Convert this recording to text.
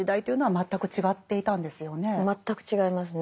全く違いますね。